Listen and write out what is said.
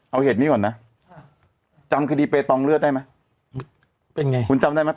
เอาเหตุนี้ก่อนนะจำคดีเปตองเลือดได้ไหมเป็นไงคุณจำได้ไหม